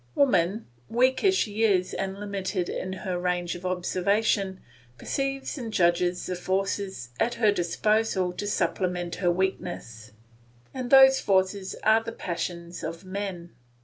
Woman, weak as she is and limited in her range of observation, perceives and judges the forces at her disposal to supplement her weakness, and those forces are the passions of man.